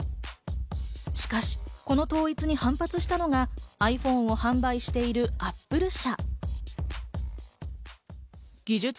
しかしこの統一に反発したのが、ｉＰｈｏｎｅを販売しているＡｐｐｌｅ社。